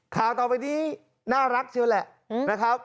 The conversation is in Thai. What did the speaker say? ข่าวต่อไปนี้น่ารักใช่ไหมแหละ